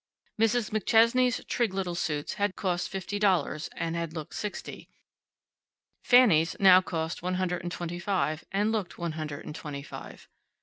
Mrs. McChesney's trig little suits had cost fifty dollars, and had looked sixty. Fanny's now cost one hundred and twenty five, and looked one hundred and twenty five.